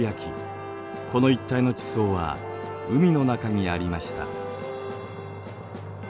この一帯の地層は海の中にありました。